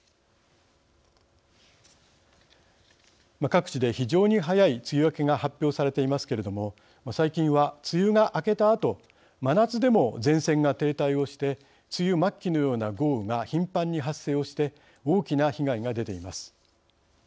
各地で非常に早い梅雨明けが発表されていますけれども最近は梅雨が明けたあと真夏でも前線が停滞をして梅雨末期のような豪雨が頻繁に発生をして大きな被害が出ています。